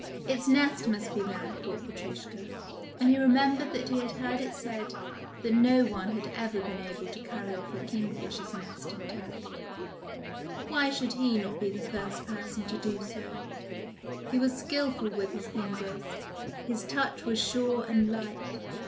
"Its nest must be there," thought Petrushka, and he remembered that he had heard it said that no one had ever been able to carry off a kingfisher's nest intact. Why should he not be the first person to do so? He was skilful with his fingers, his touch was sure and light.